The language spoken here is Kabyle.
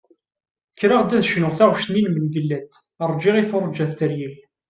Kkreɣ ad d-cnuɣ taɣect-nni n Mengellat "Rğiɣ i turğa teryel".